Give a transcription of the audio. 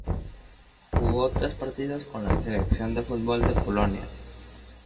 Jugó tres partidos con la selección de fútbol de Polonia.